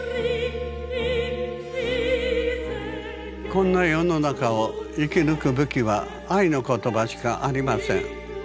「こんな世の中を生き抜く武器は愛の言葉しかありません。